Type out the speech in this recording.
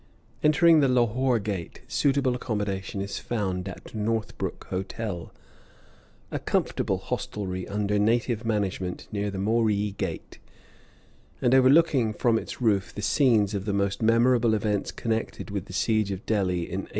Entering the Lahore Gate, suitable accommodation is found at Northbrook Hotel, a comfortable hostelry under native management near the Moree Gate, and overlooking from its roof the scenes of the most memorable events connected with the siege of Delhi in 1857.